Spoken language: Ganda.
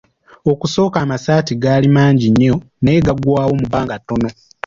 Okusooka amasaati gaali mangi nnyo, naye gaggwaawo mu bbanga ttono!.